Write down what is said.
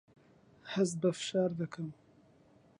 هەست بە فشار دەکەم.